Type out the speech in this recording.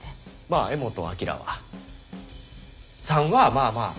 まあ柄本明はさんはまあまあ。